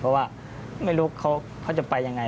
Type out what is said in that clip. เพราะว่าไม่รู้เขาจะไปยังไง